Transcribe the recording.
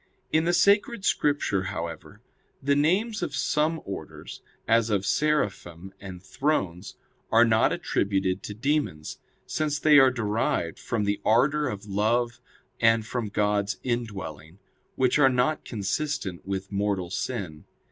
In the Sacred Scripture, however, the names of some orders, as of Seraphim and Thrones, are not attributed to demons; since they are derived from the ardor of love and from God's indwelling, which are not consistent with mortal sin.